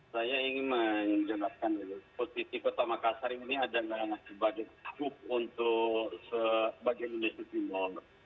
saya ingin menjawabkan dulu posisi kota makassar ini adalah sebagai hub untuk sebagian industri global